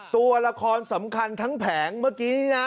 ตัวละครสำคัญทั้งแผงเมื่อกี้นี้นะ